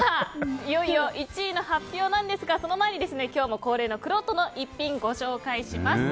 いよいよ１位の発表ですがその前に今日の恒例のくろうとの逸品をご紹介します。